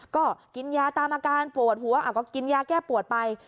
ก็กินยาตามอาการปวดหัวก็กินยาแก้ปวดไป